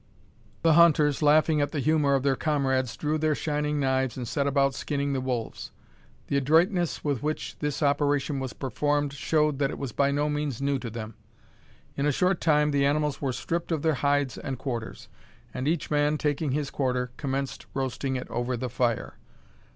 The hunters, laughing at the humour of their comrades, drew their shining knives, and set about skinning the wolves. The adroitness with which this operation was performed showed that it was by no means new to them. In a short time the animals were stripped of their hides and quarters; and each man, taking his quarter, commenced roasting it over the fire.